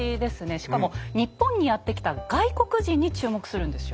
しかも日本にやってきた外国人に注目するんですよ。